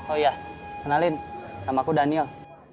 oh iya kenalin namaku daniel